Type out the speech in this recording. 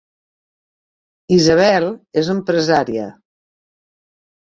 Isabel és empresària